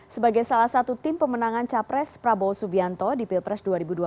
sebagai salah satu tim pemenangan capres prabowo subianto di pilpres dua ribu dua puluh